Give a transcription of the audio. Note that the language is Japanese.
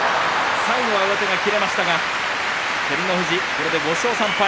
最後は上手が切れましたが照ノ富士、これで５勝３敗。